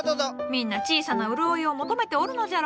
みんな小さな潤いを求めておるのじゃろう。